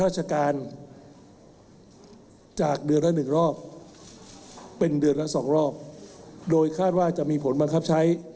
จากเดือนละ๑รอบเป็นเดือนละสองรอบโดยคาดว่าจะมีผลบังคับใช้